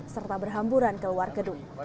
serta berhamburan keluar gedung